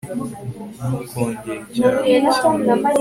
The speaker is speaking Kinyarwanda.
ntukongere icyaha mu kindi